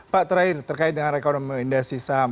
pak terakhir terkait dengan rekomendasi saham